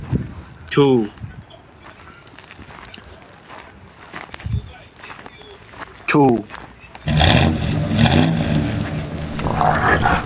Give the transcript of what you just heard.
His ethnicity is not known.